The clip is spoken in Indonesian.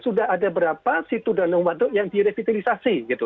sudah ada berapa situdanung waduk yang direvitalisasi gitu